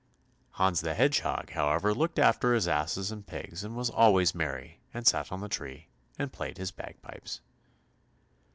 Hans the Hedgehog, however, looked after his asses and pigs, and was always merry and sat on the tree and played his bagpipes.